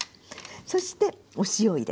そしてお塩入れます。